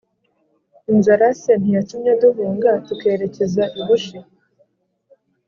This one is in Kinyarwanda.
inzara se ntiyatumye duhunga tukerekeza i bushi.